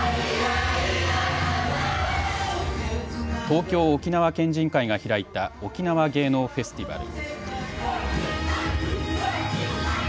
東京沖縄県人会が開いた沖縄芸能フェスティバル。